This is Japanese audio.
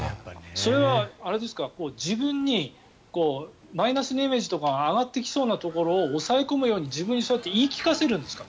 それは自分にマイナスのイメージとかが上がってきそうなところを抑え込むようにって自分に言い聞かせるんですか。